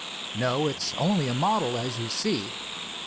"No, it's only a model, as you see."